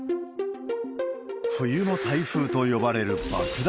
冬の台風と呼ばれる爆弾